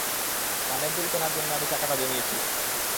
কানের দুল কেনার জন্য আমি টাকাটা জমিয়েছিলাম।